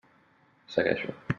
Segueixo.